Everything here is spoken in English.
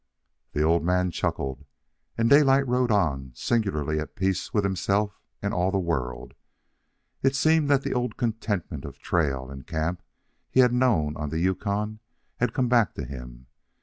The old man chuckled, and Daylight rode on, singularly at peace with himself and all the world. It seemed that the old contentment of trail and camp he had known on the Yukon had come back to him.